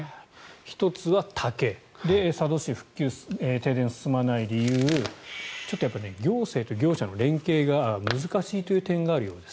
１つは竹佐渡市停電の復旧が進まない理由ちょっと行政と業者の連携が難しいという点があるようです。